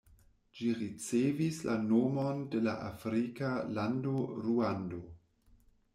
Ĝi ricevis la nomon de la afrika lando Ruando.